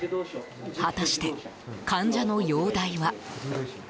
果たして、患者の容体は？